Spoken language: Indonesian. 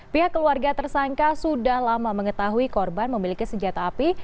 pihak keluarga tersangka sudah lama mengetahui korban memiliki senjata api